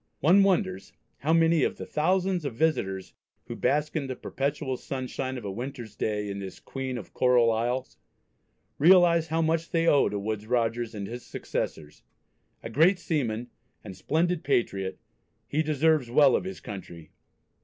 One wonders how many of the thousands of visitors who bask in the perpetual sunshine of a winter's day in this "Queen of Coral Isles," realise how much they owe to Woodes Rogers and his successors. A great seaman and splendid patriot he deserves well of his country.